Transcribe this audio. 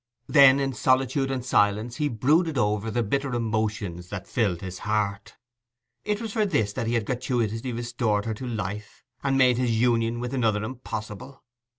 Then in solitude and silence he brooded over the bitter emotions that filled his heart. It was for this that he had gratuitously restored her to life, and made his union with another impossible!